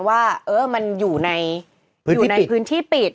ว่ามันอยู่ในพื้นที่ปิด